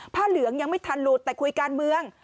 เหลืองยังไม่ทันหลุดแต่คุยการเมือง